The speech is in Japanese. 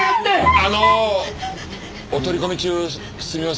あのお取り込み中すみません。